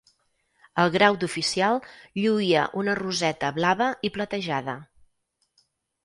El grau d'oficial lluïa una roseta blava i platejada.